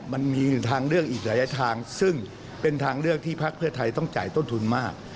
มันมีทางเลือกอีกหลายทางซึ่งเป็นทางเลือกที่พักเพื่อไทยต้องจ่ายต้นทุนมาก